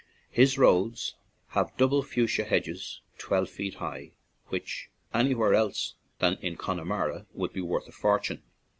His roads have double fuchsia hedges twelve feet high, which, anywhere else than in Connemara, would be worth a fortune.